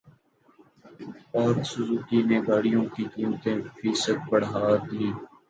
پاک سوزوکی نے گاڑیوں کی قیمتیں فیصد بڑھا دیں